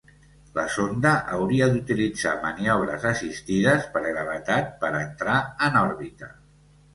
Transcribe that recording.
La sonda hauria d'utilitzar maniobres assistides per gravetat per entrar en òrbita.